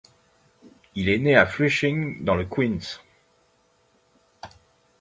Il est né à Flushing dans le Queens.